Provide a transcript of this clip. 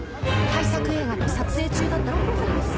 大作映画の撮影中だったという事です。